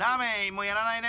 もうやらないね？